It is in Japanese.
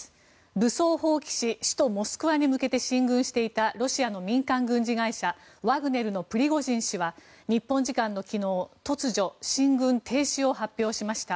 武装蜂起し、首都モスクワに向けて進軍していたロシアの民間軍事会社ワグネルのプリゴジン氏は日本時間の昨日突如、進軍停止を発表しました。